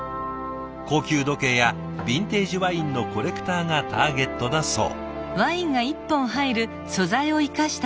高級時計やビンテージワインのコレクターがターゲットだそう。